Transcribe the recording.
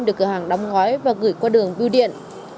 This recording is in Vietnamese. được cửa hàng đóng gói và gửi qua đường biêu điện